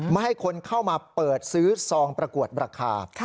ไม่ให้คนเข้ามาเปิดซื้อซองประกวดราคา